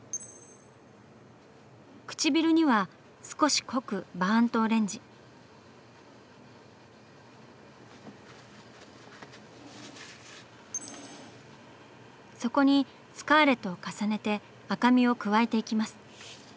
唇には少し濃くそこにスカーレットを重ねて赤みを加えていきます。